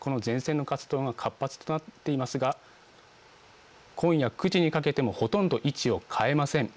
この前線の活動が活発になっていますが今夜９時にかけてもほとんど位置を変えません。